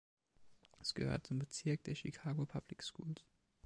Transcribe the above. Es gehört zum Bezirk der Chicago Public Schools.